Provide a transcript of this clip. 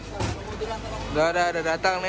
yang lain yang lain yang lain